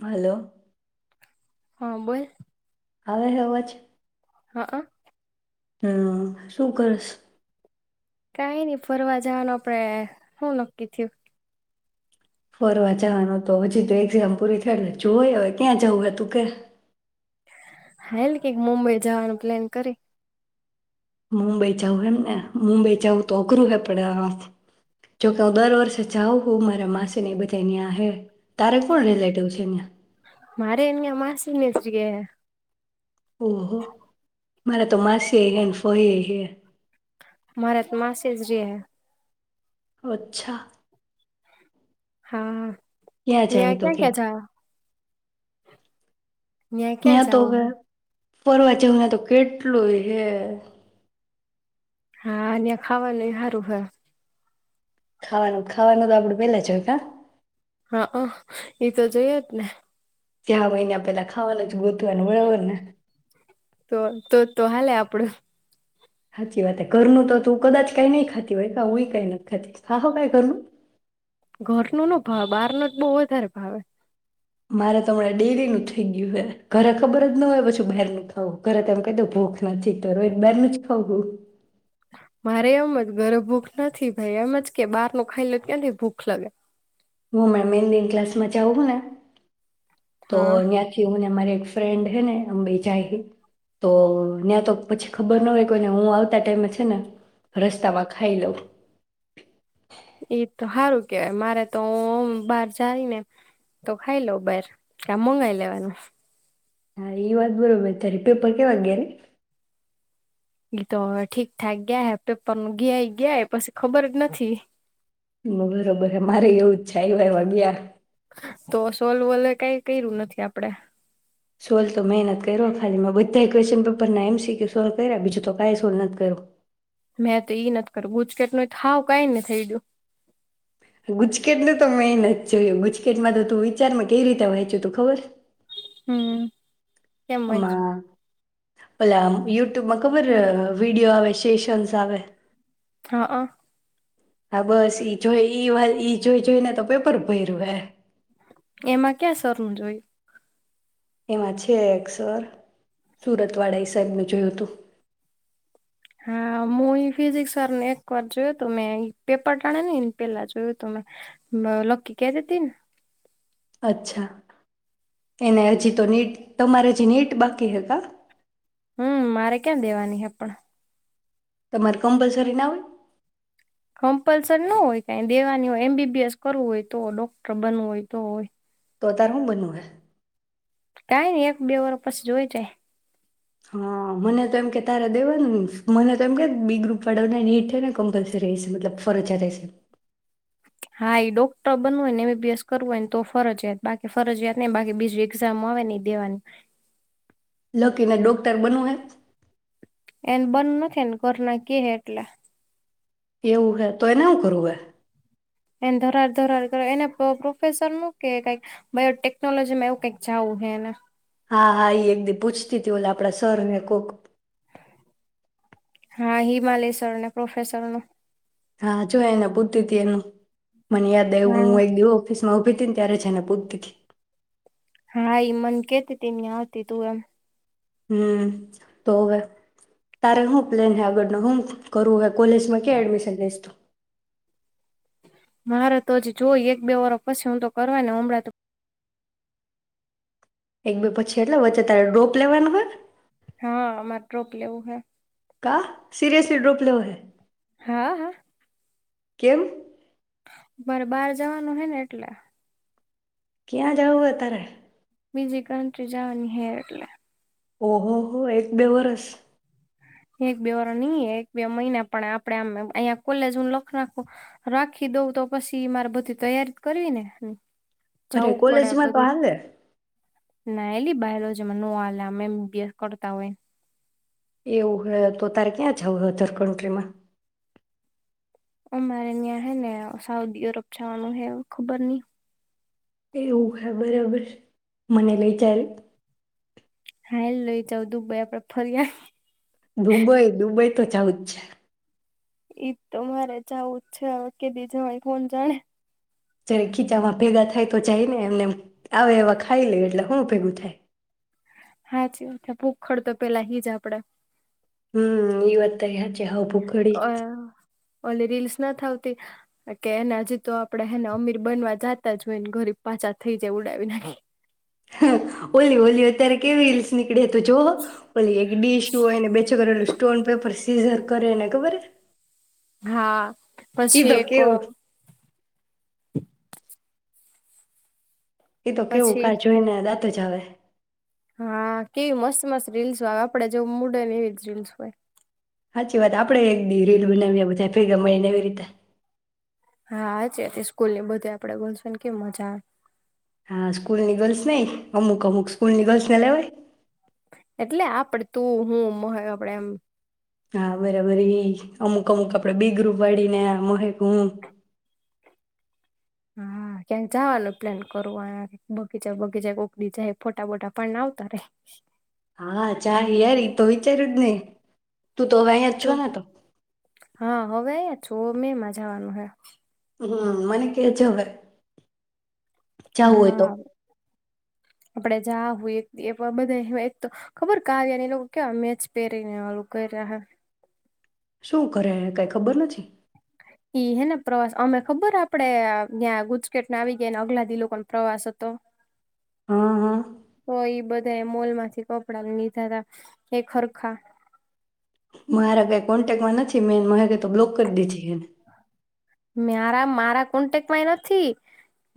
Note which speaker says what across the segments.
Speaker 1: Hello.
Speaker 2: હા બોલ. ‌
Speaker 1: આવેલો અવાજ?
Speaker 2: હઅ.
Speaker 1: હમ્મ શું કરેશ?
Speaker 2: કઈ નઈ ફરવા જવાનું આપડે હું નક્કી થિયું.
Speaker 1: ફરવા જવાનું તો હજી તો એક્ઝામ પૂરી થય જોય હવે ક્યાં જવું હતું કે?
Speaker 2: હાલ કઈક મુંબઈ જવાનું પ્લાન કરી.
Speaker 1: મુંબઈ જાઉં હેમ ને! મુંબઈ જાઉં તો અઘરું હે પડે જોકે, હું દર વર્ષે જાઉ હું મારા માસી ને એ બધાં ન્યાં હે તારે કોણ રિલેટિવ છે‌ ત્યાં?
Speaker 2: મારેય ન્યાં યા માસી ને એજ રહે છે.
Speaker 1: મારા તો માસીય હેં ને ફઇય હેં.
Speaker 2: મારા એક માસી જ રહે છે.
Speaker 1: અચ્છા..
Speaker 2: હા..
Speaker 1: ત્યાં જાય તો
Speaker 2: ક્યાં
Speaker 1: કે
Speaker 2: ક્યાં જશો? ત્યાં ક્યાં
Speaker 1: તો
Speaker 2: જવું હ
Speaker 1: હવે ફરવા જેવું ત્યાં તો કેટલુંય છે.
Speaker 2: હા ત્યાં ખાવાનુંય સારું હ
Speaker 1: ખાવાનું ખાવાનું તો આપડું પેલા જોય કા?
Speaker 2: હા.. એતો જોઈએ જ ને..
Speaker 1: જ્યાં હોય ને પહેલા ખાવાનું જ ગો બરાબર ને..
Speaker 2: તો તો તો હાલે આપડું...
Speaker 1: હાચી વાત ઘરનું તો તું કદાચ કઈ નહી ખાતી હોય કા હું કઈ નથી ખાતી ખા હો કઈ ઘરનું?
Speaker 2: ઘરનુ નો ભાવે બહારનુ જ બહુ વધારે ભાવે.
Speaker 1: મારે તો હમણાં ડેઇલીનુ થઈ ગયું છે. ઘરે ખબર જ ન હોય પછી બહારનું ખાવું હું ઘરે તો એમ કહી દવ કે ભુખ નથી તો રોજ બહારનું જ ખાવ હું
Speaker 2: મારે એમ જ ઘરે ભૂખ નથી ભાઈ એમ જ કે બહાર નું ખાઈ લે તો ક્યાંથી ભૂખ લાગે?
Speaker 1: હું મારા મહેંદીના ક્લાસમાં જાઉં હું ને... તો
Speaker 2: હા
Speaker 1: નિયાથી હું ને મારે એક ફ્રેન્ડ ફ્રેન્ડ હે ને અમે બેય જાય છીએ તો ત્યાં તો પછી ખબર ન હોય કોઈને હું આવતા ટાઈમે છે ને રસ્તામાં ખાઈ લઉં.
Speaker 2: એ તો હારું કેવાય મારે તો.. બહાર જાયને તો ખાઈ લઉ બહાર કે મંગાઈ લેવાનું..
Speaker 1: હા એ વાત બરોબબર ત્યારે પેપર કેવા ગયા? [inaudible]
Speaker 2: એતો હવે ઠીકઠાક ગયા છે પેપર ગયાય ગયા પછી ખબર જ નથી
Speaker 1: બરોબર, મારે એવું છે આયવાઆયવા ગિયા.
Speaker 2: તો સોલ વોલે કઈ કર્યું નથી, આપડે.
Speaker 1: સોલ્વ તો મહેનત કરીને ખાલી બધા કેશ્વન પેપરના એમ સી કે સોલ્વ કર્યા, બીજું તો કંઈ સોલ્વ નથી કરું.
Speaker 2: મેં તો ઈ નથી કર્યું. ગુજકેટ તો હાવ કાંઈ નથી.
Speaker 1: ગુચૂકેટ ન તો મે નથી જોયું. ગુજકેટ માં તો તું વિચારમાં, કેવી રીતે વાંચુ તું ખબર?
Speaker 2: હમ્મ
Speaker 1: હમણાં. પલે આમ યુટ્યુબમાં ખબર, વિડિયો આવે, સેશન્સ આવે.
Speaker 2: હા, હા.
Speaker 1: હા, બસ ઈ જોઈ. ઈ વાત ઈ જોઈ જોઈને તો પેપર ભર્યું હ.
Speaker 2: એમાં ક્યાં શરમ જોય?
Speaker 1: એમાં છે એક સર સુરતવાડા ઈ સાહેબનુ જોયું હતું.
Speaker 2: હા મુએ ફિઝિક્સ વાર ને એક વાર જોયું તું મેં પેપર ટાણે ની પેલા જોયું હતું, લકી કેતી હતી ને?
Speaker 1: અચ્છા, એને હજી તો નીટ. તમારે હજી નીટ બાકી કા
Speaker 2: હમ્મ મારે ક્યાં દેવાની હે પણ.
Speaker 1: તમારે કમ્પલસરી ના હોય?
Speaker 2: કમ્પલસરી ના હોય કંઈ દેવાની હોય. એમબીબીએસ કરવું હોય તો ડોક્ટર બનવું હોય તો હોય.
Speaker 1: તો અત્યારે હું બનવું હ.
Speaker 2: કંઈ નઈ, એક બે વાર પછી જોઈ જાય.
Speaker 1: હા, મને તો એમ કે તારે દેવા નુ હોય. મને તો એમ કે બી ગ્રુપ વાળા નીટ ને કમ્પલસરી રહેશે, મતલબ ફરજત રહેશે.
Speaker 2: ભાઈ, ડોક્ટર બનવું હોય ને એમબીબીએસ કરવું હોયને તો ફરજિયાત. બાકી ફરજિયાત નઈ, બાકી બીજું એક્ઝામ આવે નહીં દેવાની.
Speaker 1: લકીને ડોક્ટર બનવું હેને?
Speaker 2: એને મન નથી એન ધરના કે એટલે
Speaker 1: એવું હે તો એ ના કરવું હે.
Speaker 2: એને ધરાડ ધરાડ કરાય, એના પ્રો પ્રોફેસર નું કે કાઈક બાયોટેકનોલોજીમાં એવું કાઈક જાવું હે એને.
Speaker 1: હા, હા. ઈ એક દિ પૂછતી તી ઓલા આપણા સર ને કોક
Speaker 2: હા, હિમાલેશ્વર ને પ્રોફેસર નું
Speaker 1: હા, જોય એને પૂછતી તી એનું. મને યાદ આયવું
Speaker 2: હા
Speaker 1: હું હે એક દિ હું ઓફિસ માં ઊભી તીને ત્યારે જ એને પૂત્તી તી.
Speaker 2: હા, ઈ મન કેતી તી ન્યાં હતી તું એમ.
Speaker 1: હમ્મ, તો હવે તારે હું પ્લેન હે, આગળ નો હું કરવું હે? કોલેજમાં કયા એડમિશન લેશ તું?
Speaker 2: મારે તો હજી જોઈ, એક બે વરહ પછી હું તો કરવાની હું હમણાં તો
Speaker 1: એક બે પછી એટલે વચ્ચે તારે ડ્રોપ લેવાનું હે?
Speaker 2: હા, માર ટ્રોપ લેવું હે.
Speaker 1: કા સીરીયસલી ડ્રોપ લેવો હે?
Speaker 2: હા, હા.
Speaker 1: કેમ?
Speaker 2: મારે બહાર જવાનું હે ને એટલે.
Speaker 1: ક્યાં જાઉ હે તારે?
Speaker 2: બીજી કન્ટરી જાવાની હે એટલે.
Speaker 1: ઓહ હો હો, એક બે વરસ.
Speaker 2: એક બે વરહ નહીં, એક બે મહિના પણ આપડે આમ અહીંયા કોલેજ હું લખ રાખું રાખી દઉં તો પછી મારે બધી તૈયારી કરવી ને.
Speaker 1: અરે,
Speaker 2: જવું પડે
Speaker 1: કોલેજમાં તો
Speaker 2: બધું
Speaker 1: હાલે.
Speaker 2: ના, એલી [unintelligible] માં નો હાલે આમ [unintelligible] કરતા હોય.
Speaker 1: એવું હે તો તારે ક્યાં જાવું હે અધર કન્ટ્રીમાં?
Speaker 2: અમારે ન્યા હે ને સાઉદી અરબ જાવાનું હે, હવ ખબર નહી
Speaker 1: એવું હે બરાબર. મને લઈ જાય.
Speaker 2: હાઈલ લઈ જાઉ દુંબઈ આપણે ફરી આવી.
Speaker 1: દુબઈ-દુબઈ તો જાવું જ છે.
Speaker 2: ઈ તો મારે જાવું જ છે હવે કેદી જવાય કોણ જાણે.
Speaker 1: જ્યારે ખીચામાં ભેગા થાય તો જાઈ ને એમનેમ આવે એવા ખાઈ લે એટલે હું ભેગું થાય.
Speaker 2: હાચી વાત, તા ભૂખડ તો પેલા હી જ આપડે.
Speaker 1: હમ્મ ઈ વાત તારી હાચી. હાઉ ભુખડ હી.
Speaker 2: અ ઓલી રીલ્સ નથ આવતી કે એને હજી તો આપણેે હેને અમીર બનવા જાતા જ હોય ને ગરીબ પાછા થઈ જાય ઉડાવી નાખી.
Speaker 1: એ તો જોહો ઓલી એક ડીશનું એને બેચરલ સ્ટોન, પેપર, સીઝર કરે એને ખબર હે?
Speaker 2: હા
Speaker 1: ઈ
Speaker 2: પછી
Speaker 1: તો
Speaker 2: એક
Speaker 1: કેવું
Speaker 2: અહ
Speaker 1: ઈ તો કેવું
Speaker 2: પછી
Speaker 1: કાં જોઈ ને દાત ત જ આવે.
Speaker 2: હા કેવી મસ્ત-મસ્ત રિલ્સો આવે, આપડે જેવું મૂડ હોય ને એવી જ રીલ્સ હોય.
Speaker 1: હાચી વાત, આપણેેય એક દિ રીલ બનાવીએ બધા ભેગા મળી ને એવી રીતે.
Speaker 2: હાચે સ્કૂલ ની બધે આપડે બોલશું ને કેવ મજા આવે.
Speaker 1: હા સ્કૂલની ગર્લ્સ નહી, અમુક અમુક સ્કૂલની ગર્લ્સને લેવાય.
Speaker 2: એટલે આપડે તું હું મોહ એ આપડે એમ
Speaker 1: હા બરાબર એ અમુક અમુક આપડે બી ગ્રુપ વાળીને મોરિક હું
Speaker 2: હા ક્યાંક જવાનું પ્લાન કરવાનું બગીચા બગીચા કોક દિ જઈ ફોટા બોટા પડી આવતા રઈ.
Speaker 1: હા ચાલ યાર એ તો વિચાર્યું જ નહી. તું તો હવે અહી જ છો ને તો.
Speaker 2: જોઓ મેં મજાવાનું એમ.
Speaker 1: હમ મને કે જે હવે. જવું હોય તો
Speaker 2: હમમ. આપડે જા હોય તે એક વાર બધા એ હોય, તો ખબર કાર્યા ને એ લોકો કેવા મેચ પહેરીને ઓલું કર્યા હતા.
Speaker 1: શું કરે કઈ ખબર નથી.
Speaker 2: ઈ હેને પ્રવાસ અમે ખબર આપડે ત્યાં ગુજકેટ ના આવી ગયાને અગલા દિ ઈ લોકો નો પ્રવાસ હતો.
Speaker 1: હા હા.
Speaker 2: તો ઈ બધા એ મોલ માંથી કપડાને લીધા હતા, એક હરખા.
Speaker 1: મારા કયા કોન્ટેક્ટમાં નથી મેઈન મને તો બ્લોક કરી દેધી એને.
Speaker 2: મારા મારા કોન્ટેક્ટમાં ય નથી,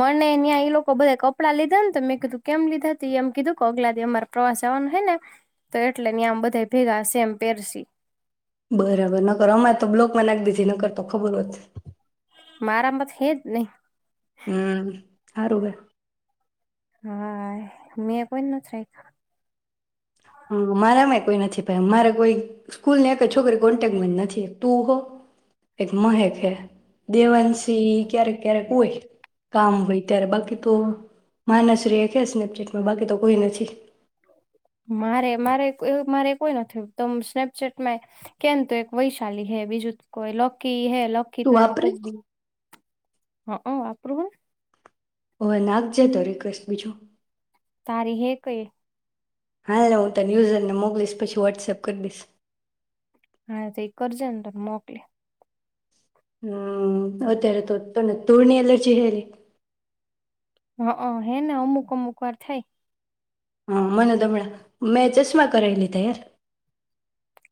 Speaker 2: મને ત્યાં એ લોકો બધા કપડાં લીધા ને તો મેં કીધું કેમ લીધા હતી એમ કીધું કે અગલા દિ અમારા પ્રવાસ આવવાનો હે ને, તો એટલે આમ બધા ભેગા હશે એમ પહેરસી.
Speaker 1: બરાબર નકર અમારે તો બ્લોકમાં નાખી દીધી નકર તો ખબર હોત.
Speaker 2: મારા માતો હે જ નહી.
Speaker 1: હમ સારું હે.
Speaker 2: હા મેં કોઈ નથી રાખ્યા.
Speaker 1: હમ મારામાં કોઈ નથી ભાઈ મારે કોઈ સ્કૂલ ની એક છોકરી કોન્ટેક્ટમાં નથી તું હો, એક મહેક હે દેવાંશી ક્યારેક ક્યારેક હોય. કામ હોય ત્યારે બાકી તો માનસ્રી એખે ને્રીટમાં બાકી તો કોઈ નથી.
Speaker 2: મારે મારે મારે કોઈ નથી તો સ્નેપચેટમાં, કેમ તો એક વૈશાલી હે બીજું કોઈ લકી હે. લખી
Speaker 1: તું
Speaker 2: તો એનો
Speaker 1: વાપરે
Speaker 2: કોક બી હા ઓ આપરું હોય.
Speaker 1: હવે નાખજે તો રિક્વેસ્ટ બીજો.
Speaker 2: તારી હે કહી.
Speaker 1: હા હું તને યુઝરને મોકલીશ પછી વોટ્સએપ કરી દઈશ.
Speaker 2: હા તે એ કરજે દ મોકલે.
Speaker 1: હમ અતાર ત ત ન તુરણી એલર્જી હરી.
Speaker 2: હ હેને અમુક અમુક વાર થાય.
Speaker 1: હા મનોદમણા મેં ચશ્મા કરાયેલી ત યાર.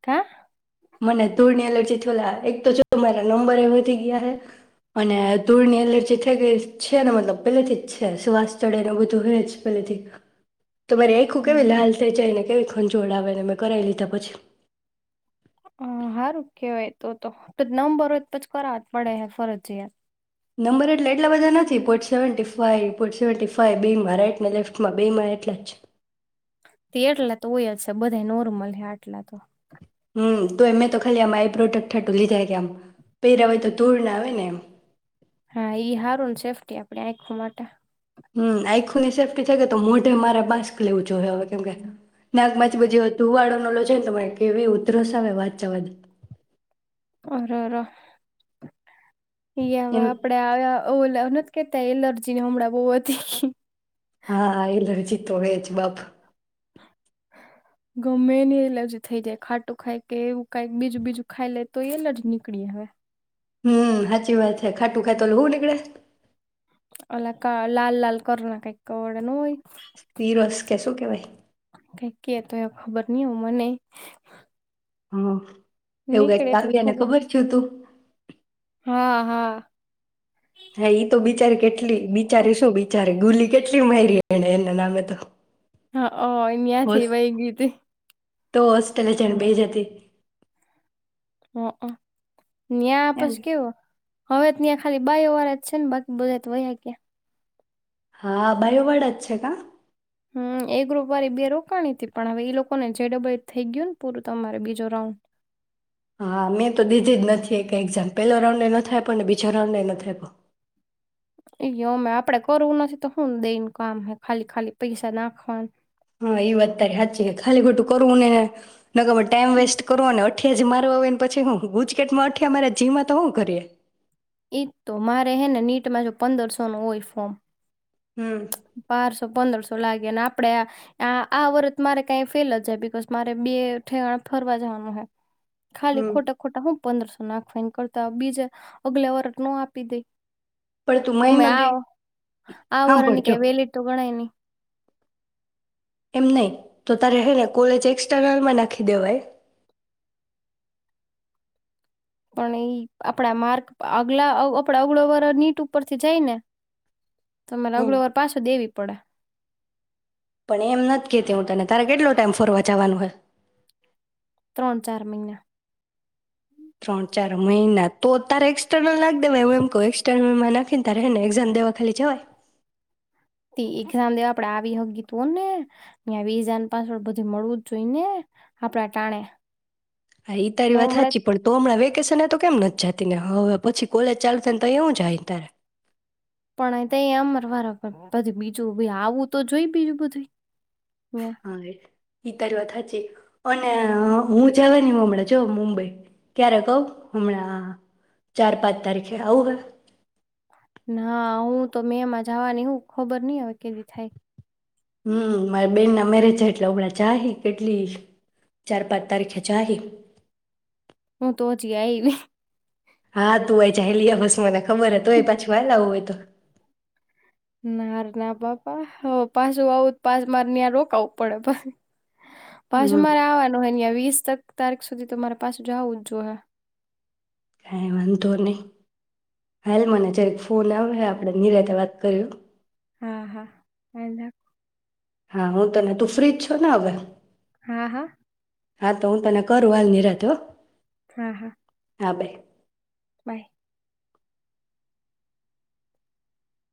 Speaker 2: કા?
Speaker 1: મને ધૂળની એલર્જી થયેલા એક તો જો મારા નંબર એ વધી ગયા હ, અને ધૂળની એલર્જી થઈ ગઈ છે ને મતલબ પેલેથી જ છે શ્વાસ ચડેને બધું હ જ પેલેથી. તોરે આખું કેવી લ હાલ થ જને. કેવી ખંજોળ આવેને મેં કરાવી લીધા પછી.
Speaker 2: હ સારું કેવાય તો તો નમબરો તોછ કરાવ પડે ફરજીયાત.
Speaker 1: નંબર એટલે એટલા બધા નથી port seventy five port seventy five બીમાં રાઈટ લેફ્ટમાં બે માં એટલા જ છે.
Speaker 2: તે એટલા તો હોય જ છે બધા નોર્મલ હ આટલા તો.
Speaker 1: હમ તો એમે તો ખાલી આમ આઈ પ્રોડક્ટ થટું લીધા કે આમ, પેરવાય તો તૂર ના આવે ને એમ.
Speaker 2: હા ઈ હારુંન સેફ્ટી આપડી આંખવા માટે.
Speaker 1: હમ આઈખુની સેફ્ટી થ તો મોઢે મારે માસ્ક લેવું જોઈ હવે કેમ કે, નાકમાંથી બધી ધુવાળો ન લો છે ને કેવી ઉધરસ આવે વાતચાવા.
Speaker 2: અરર. યાવા
Speaker 1: એનું
Speaker 2: આપડ્યા ઓલ કેતા એલર્જી ને હમણાં બહુ હતી
Speaker 1: હા એલર્જી તો હો જ બાપ
Speaker 2: ગમે એની એલર્જી થઈ જાય ખાટું ખાય કે એવું કઈ બીજું બીજું ખાઈ લે તો એલર્જી નીકળી હવે
Speaker 1: હમ સાચી વાત છે ખાટું ખાયતો લ હું [unintelligible]
Speaker 2: અલા ક લાલ લાલ કરો ના કઈવડ ન હોય
Speaker 1: તીરસ કે શું કેવાય
Speaker 2: ક કે તો એ ખબર નહ હો મને
Speaker 1: હ એવું
Speaker 2: નીકળે
Speaker 1: ક આવ
Speaker 2: એટલું
Speaker 1: ને ખબર છ તું
Speaker 2: હા હા
Speaker 1: હા ઈ તો બિચારી કેટલી બિચારે શું બિચારે ગુલી કેટલી મારીરી એને એના નામે તો
Speaker 2: હાન્યાંથી
Speaker 1: હોસ
Speaker 2: વય ગીતે
Speaker 1: તો હોસ્ટેલે જણ બે જ હતી
Speaker 2: હા ગયા
Speaker 1: એમ
Speaker 2: આપસ કેવ હવે ત્યાં ખાલી બાય વાળ જ છે ને બાકી બધા વયા ક્યાં
Speaker 1: હા બાય વડ જ છે કા
Speaker 2: હમ એ ઞૂપૅ વાળરી બે રોકાણી હતી પણ હવે ઈ લોકોને જે [unintelligible] થઈ ગયું ને પૂરું તમારે બીજો રાઉન્ડ
Speaker 1: હા મેં તો દીધી જ નથી કે એક્ઝામ પેલા રાઉન્ડ એ નથી આપ્યો ને બીજો રાઉન્ડ એ નથી આપ્યો
Speaker 2: એ અમે આપડે કરવું નથી તો શું દઈને કામ ખાલી ખાલી પૈસા નાખવાનું
Speaker 1: હા એ વાત તારી હાચી ખાલી ખોટું કરવું નહીં ને ન કમે ટાઈમ વેસ્ટ કરવોનેટ અઠિયા જ મારો આવેવે ને પછી હું ગુજકેટમાં અઠિયા મારા જીમાં તો શું કરીએે
Speaker 2: એજ તો મારે હેને નીટમાં જો પંદરસો નું હોય ફોર્મ
Speaker 1: હમ
Speaker 2: બારસો પંદરસો લાગે આપડે આ આ વર્ત મારે કઈ ફેલ જ જાય બકોઝ મારે બે ઠેવાણ ફરવા જવાનું હ ખાલી
Speaker 1: હમ
Speaker 2: ખોટા ખોટા હું પંદરસો નાખ કરતા બીજે અગલે ઓર ન આપી દે
Speaker 1: પણ તું મહી નથી દ હા પડ
Speaker 2: કે વેલીટ ગણાય નહી
Speaker 1: એમ નહીં તો તારે હેને કોલેજ એક્સટર્નલમાં નાખી દેવાય
Speaker 2: પણ એઈ આપડા માર્ક આગલા આપડા અગળ વર નીટ ઉપરથી જાય ને તમારે
Speaker 1: હમ
Speaker 2: અગળ વાર પાછું દેવી પડે
Speaker 1: પણ એમ નથી કેતી હું તને તારે કેટલો ટાઈમ ફરવા જવાનું હોય
Speaker 2: ત્રણ ચાર મહિના
Speaker 1: ત્રણ ચાર મહિના તો તારે એક્સટર્નલ નાખી દેવાય એું એમ કહ એક્સટર્નલમાં નાખીને તને એક્ઝામ દેવા ખાલી જવાય
Speaker 2: તે ઝામ દેવા આપડે આવી હ ગી ત હોને આવી હજારને પાસ વડ બધું મળવું જ જોઈ ને આપડા ટાણે
Speaker 1: હા ઈ તારી
Speaker 2: નો
Speaker 1: વાત
Speaker 2: મળે
Speaker 1: સાચી પણ તો હમણાં વેકેશ ને તો કેમ નથી જતી ને હવે પછી કોલેજ ચાલશેને તો એું જાય તારે
Speaker 2: પણ અહી તો અમર વારા બધી બીજું આવું તો જોય બીજું બધું ન્યા
Speaker 1: હા ઈ તારી વાત હાચી [inaudible] અને
Speaker 2: હમ
Speaker 1: હું જવા ન હમણાે જો મુંબઈ ક્યારે કઉ હમણાં ચાર પાંચ તારીખે આવું હ
Speaker 2: ના હું તો મેં માં જવાની હું ખબર નઈ કેદી થાય
Speaker 1: હમ્મ મારા બેન ના મેરેજ છે એટલે ઉડા ચાહી કેટલી ચાર પાંચ તારીખે જાહી
Speaker 2: હું તો અજી આઈ
Speaker 1: હા તું આય જલી બસ મને ખબર હ તોય પાછું વાલા હોું હોય તો
Speaker 2: નાર ના પાપા પાછું આવું પાછ માર રોકાવું પડે પાછ
Speaker 1: હમ
Speaker 2: મારે આવવાનું હન વીસ તારીખ સુધી તમારા પાસે જાવું જ જોએ
Speaker 1: કઈ વાંધો નહી હાલ મને જ્યારેક ફોન આવે આપણે નિરાતે વાત કર્યું
Speaker 2: હા હા
Speaker 1: હા હું તને તું ફ્રીજ છો ને હવે
Speaker 2: હા હા
Speaker 1: હા તો હું તને કરું હાલ નિરાતો
Speaker 2: હા હા
Speaker 1: હા બાઈ
Speaker 2: બાય